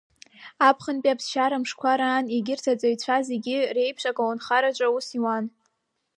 Аԥхынтәи аԥсшьара мшқәа раан, егьырҭ аҵаҩцәа зегьы реиԥш, аколнхараҿы аус иуан.